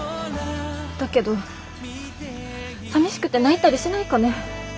だけどさみしくて泣いたりしないかね。